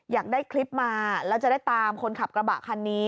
อยากได้คลิปมาแล้วจะได้ตามคนขับกระบะคันนี้